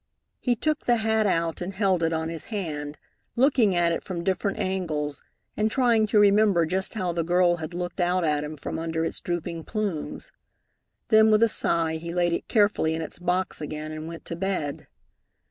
He took the hat out and held it on his hand, looking at it from different angles and trying to remember just how the girl had looked out at him from under its drooping plumes. Then with a sigh he laid it carefully in its box again and went to bed.